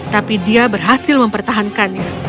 tapi dia berhasil mempertahankannya